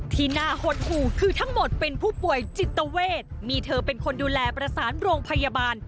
ที่น่าหดหูคือทั้งหมดเป็นผู้ป่วยจิตเวทมีเธอเป็นคนดูแลประสานโรงพยาบาล